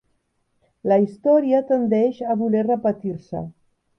La història tendeix a voler repetir-se.